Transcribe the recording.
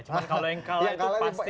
cuma kalau yang kalah itu pasti